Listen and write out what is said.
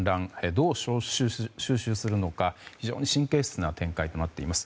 どう収拾するのか非常に神経質な展開となっています。